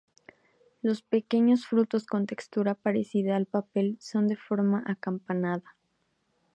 Los pequeños frutos con textura parecida al papel son de forma acampanada.